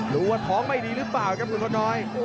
ดูว่าท้องไม่ดีหรือเปล่าครับคุณทนน้อย